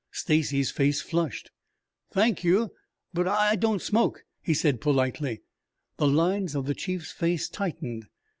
Stacy's face flushed. "Thank you, but I don't smoke," he said politely. The lines of the chief's face tightened.